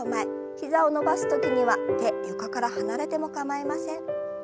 膝を伸ばす時には手床から離れても構いません。